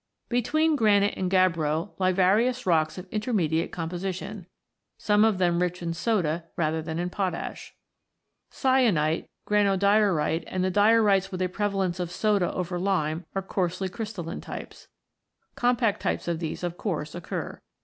Between granite and gabbro lie various rocks of intermediate composition, some of them rich in soda rather than in potash. Syenite, granodiorite, and the diorites with a prevalence of soda over lime, are coarsely crystalline types. Compact types of these of course occur.